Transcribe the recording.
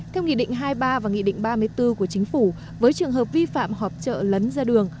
theo nghị định hai mươi ba và nghị định ba mươi bốn của chính phủ với trường hợp vi phạm họp trợ lấn ra đường